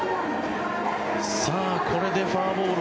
これでフォアボール。